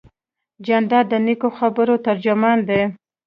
جانداد د نیکو خبرو ترجمان دی.